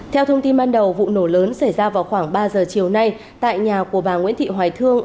theo thông tin ban đầu vụ nổ lớn xảy ra vào khoảng ba giờ chiều nay tại nhà của bà nguyễn thị hoài thương